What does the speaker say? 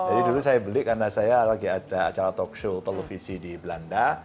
jadi dulu saya beli karena saya lagi ada acara talkshow televisi di belanda